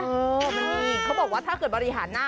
มันมีเขาบอกว่าถ้าเกิดบริหารหน้า